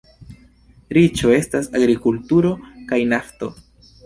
Riĉo estas agrikulturo kaj nafto.